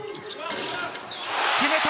決めた！